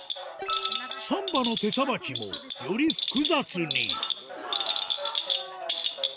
三板の手さばきもより複雑に